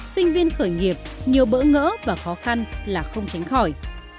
sinh viên khởi nghiệp nhiều bỡ ngỡ và khó khăn là không tránh khỏi